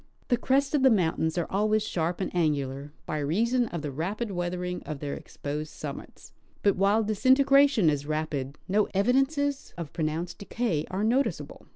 The crests of the mountains are always sharp and angular, by reason of the rapid weathering of their exposed summits, but while disintegratioii is raj)id, no evidences of pronounced decay are noticeable.